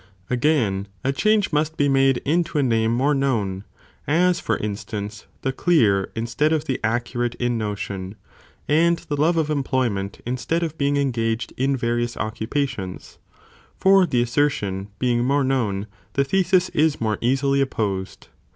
Anin AGAIN, ἃ change must be made into a name more telligible name known, as, for instance, the clear instead of the pted ' 3 instead ofan accurate in notion, and the love of employment obscure one. + instead of being engaged in various occupations, for the assertion being more known, the thesis is more easily opposed.